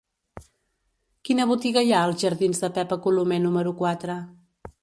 Quina botiga hi ha als jardins de Pepa Colomer número quatre?